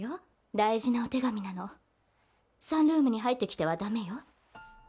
大事なお手紙なの、サンルームに入ってきては駄目よ。